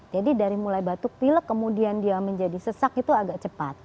jadi dari mulai batuk pilet kemudian dia menjadi sesak itu agak cepat